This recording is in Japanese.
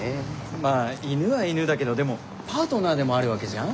まぁ犬は犬だけどでもパートナーでもあるわけじゃん？